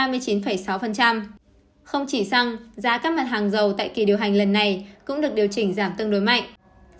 không chỉ xăng giá các mặt hàng dầu tại kỳ điều hành lần này cũng được điều chỉnh giảm tương đối mạnh